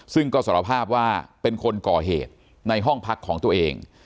ซึ่งก็สารภาพว่าเป็นคนก่อเหตุในห้องพักของตัวเอง